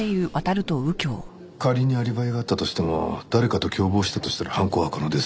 仮にアリバイがあったとしても誰かと共謀したとしたら犯行は可能です。